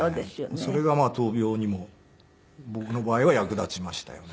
それが闘病にも僕の場合は役立ちましたよね。